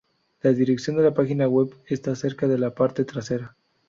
La dirección de la página web está cerca de la parte trasera.